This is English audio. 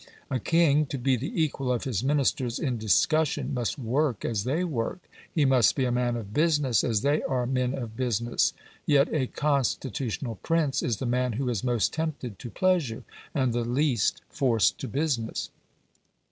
A king, to be the equal of his Ministers in discussion, must work as they work; he must be a man of business as they are men of business. Yet a constitutional prince is the man who is most tempted to pleasure, and the least forced to business.